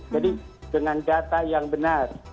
jadi dengan data yang benar